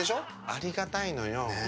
ありがたいのよ。ね。